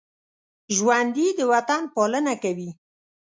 ژوندي د وطن پالنه کوي